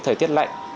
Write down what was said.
thời tiết lạnh